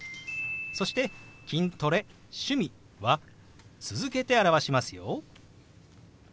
そして「筋トレ趣味」は続けて表しますよ。